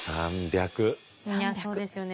そうですよね